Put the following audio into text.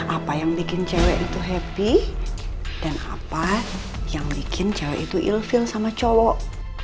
apa yang bikin cewek itu happy dan apa yang bikin cewek itu ilfiel sama cowok